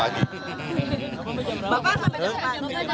bapak sampai jam empat